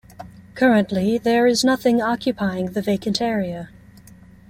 Currently, there is nothing occupying the vacant area.